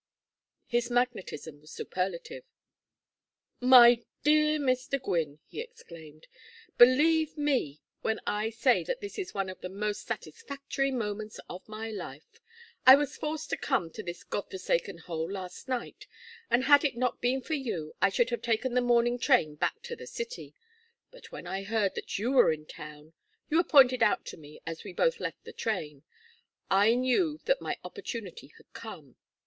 His magnetism was superlative. "My dear Mr. Gwynne!" he exclaimed. "Believe me when I say that this is one of the most satisfactory moments of my life. I was forced to come to this God forsaken hole last night, and had it not been for you I should have taken the morning train back to the city. But when I heard that you were in town you were pointed out to me as we both left the train I knew that my opportunity had come.